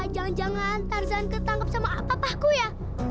jangan tertangkap sama papa aku ya